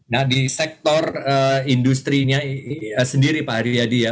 nah di sektor industri sendiri pak ariyadi ya